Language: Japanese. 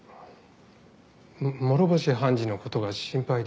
諸星判事の事が心配で。